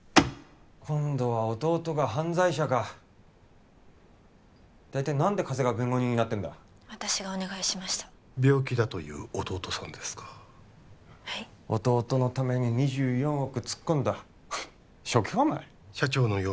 今度は弟が犯罪者か大体何で加瀬が弁護人になってんだ私がお願いしました病気だという弟さんですかはい弟のために２４億突っ込んだ正気かお前社長の弱みは弟さんでしたか